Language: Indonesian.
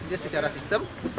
jadi secara sistem